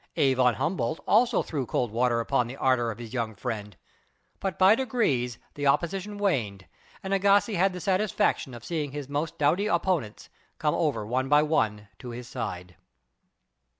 A. von Humboldt also threw cold water upon the ardor of his young friend. But by degrees the opposition waned, and Agassiz had the satisfaction of seeing his most doughty opponents come over one by one to his side.